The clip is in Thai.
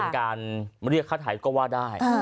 การเรียกค่าไถก็ได้